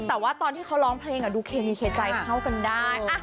แต่ว่าตอนที่เขาร้องเพลงดูเคมีเคใจเข้ากันได้